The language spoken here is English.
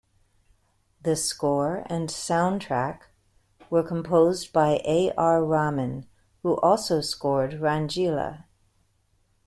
The score and soundtrack were composed by A. R. Rahman, who also scored "Rangeela".